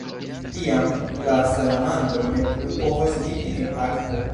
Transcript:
Tiam, la salamandro ne plu povas vivi en akvo.